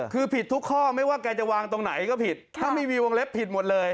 คือผิดทุกข้อไม่ว่าแกจะวางตรงไหนก็ผิดถ้าไม่มีวงเล็บผิดหมดเลย